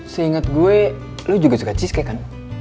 seinget gue lu juga suka cheesecake kan